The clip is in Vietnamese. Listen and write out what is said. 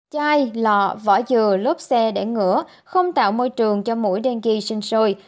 chai lọ vỏ dừa lốp xe để ngửa không tạo môi trường cho mũi đen ghi sinh sôi